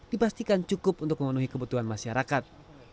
dipastikan cukup untuk memenuhi kebutuhan masyarakat